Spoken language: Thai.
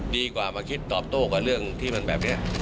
ดีกว่ามาคิดตอบโต้กับเรื่องที่มันแบบนี้